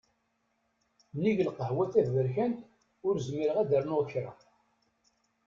Nnig lqahwa taberkant, ur zmireɣ ad rnuɣ kra.